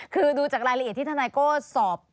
คือดูจากรายละเอียดที่ทนายโก้สอบ